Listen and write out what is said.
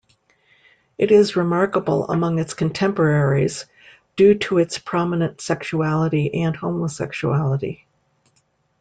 It is remarkable among its contemporaries due to its prominent sexuality and homosexuality.